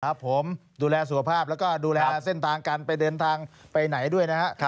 ครับผมดูแลสุขภาพแล้วก็ดูแลเส้นทางกันไปเดินทางไปไหนด้วยนะครับ